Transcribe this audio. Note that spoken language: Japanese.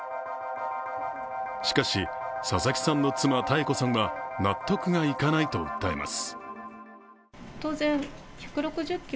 しかし、佐々木さんの妻・多恵子さんは納得がいかないと訴えます。